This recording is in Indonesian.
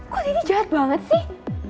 kok ini jahat banget sih